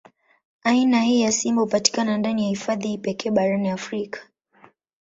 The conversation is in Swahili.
Aina hii ya simba hupatikana ndani ya hifadhi hii pekee barani Afrika.